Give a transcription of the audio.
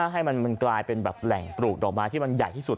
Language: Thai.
ให้มันกลายเป็นแบบแหล่งปลูกดอกไม้ที่มันใหญ่ที่สุด